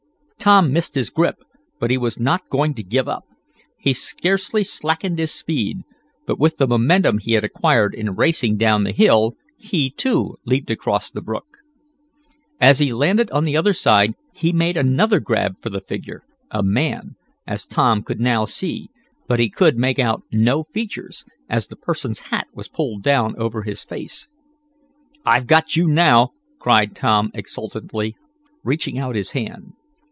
Tom missed his grip, but he was not going to give up. He scarcely slackened his speed, but, with the momentum he had acquired in racing down the hill, he, too, leaped across the brook. As he landed on the other side he made another grab for the figure, a man, as Tom could now see, but he could make out no features, as the person's hat was pulled down over his face. "I've got you now!" cried Tom exultantly, reaching out his hand.